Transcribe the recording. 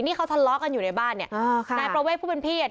นี่เขาทะเลาะกันอยู่ในบ้านเนี่ยนายประเวทผู้เป็นพี่อ่ะ